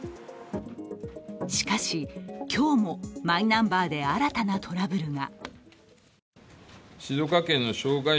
しかし、今日もマイナンバーで新たなトラブルが。